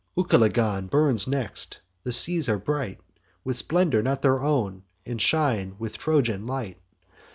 Ucalegon burns next: the seas are bright With splendour not their own, and shine with Trojan light.